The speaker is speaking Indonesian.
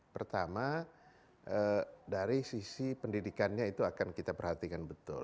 pertama dari sisi pendidikannya itu akan kita perhatikan betul